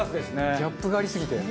ギャップがありすぎて。